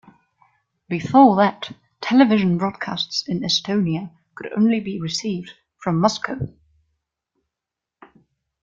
Before that, television broadcasts in Estonia could only be received from Moscow.